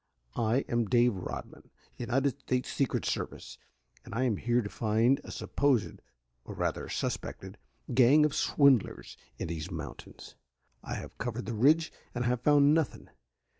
I am Dave Rodman, United States Secret Service, and I am here to find a supposed, or rather suspected, gang of swindlers in these mountains. I have covered the Ridge and I have found nothing.